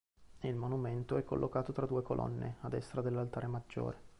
Il monumento è collocato tra due colonne a destra dell'altare maggiore.